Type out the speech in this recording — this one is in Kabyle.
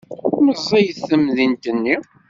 Meẓẓiyet temdint-nni.